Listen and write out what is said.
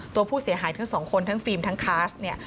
ตัวผู้เสียหายทั้งสองคนทั้งฟิล์มทั้งคาสเนี่ย